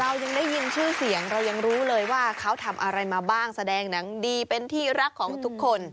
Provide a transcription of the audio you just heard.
เรายังได้ยินชื่อเสียงเรายังรู้เลยว่าเขาทำอะไรมาบ้างแสดงหนังดีเป็นที่รักของทุกคน